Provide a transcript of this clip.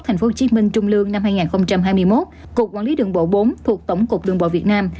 tp hcm trung lương năm hai nghìn hai mươi một cục quản lý đường bộ bốn thuộc tổng cục đường bộ việt nam